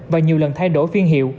và nhiều lần thay đổi phiên hiệu